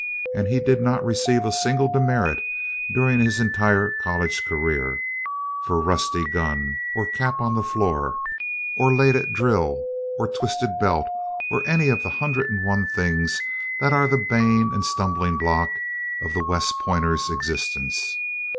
And he did not receive a single demerit during his entire college career for rusty gun, or cap on the floor, or late at drill, or twisted belt, or any of the hundred and one things that are the bane and stumbling block of the West Pointer's existence.